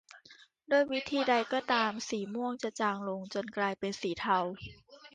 ด้วยวิธีใดก็ตามสีม่วงจะจางลงจนกลายเป็นสีเทา